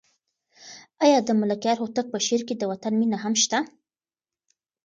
آیا د ملکیار هوتک په شعر کې د وطن مینه هم شته؟